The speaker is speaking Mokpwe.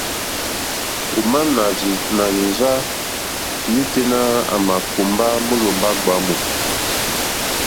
Ò má nà rzí rzâ yêténá à mà kùmbá mólòmbá gbǎmù.